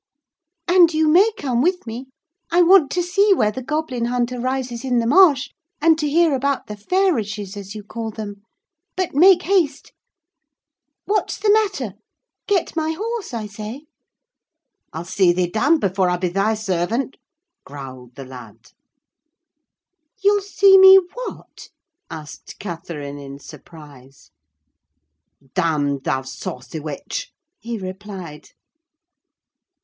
"And you may come with me. I want to see where the goblin hunter rises in the marsh, and to hear about the fairishes, as you call them: but make haste! What's the matter? Get my horse, I say." "I'll see thee damned before I be thy servant!" growled the lad. "You'll see me what?" asked Catherine in surprise. "Damned—thou saucy witch!" he replied.